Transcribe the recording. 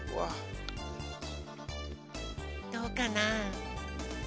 どうかな？